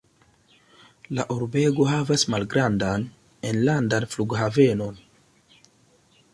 La urbego havas malgrandan enlandan flughavenon.